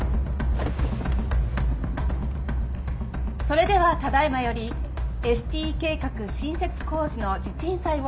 それではただ今よりＳＴ計画新設工事の地鎮祭を執り行います。